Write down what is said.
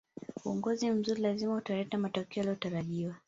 uongozi mzuri lazima utaleta matokeo yaliyotarajiwa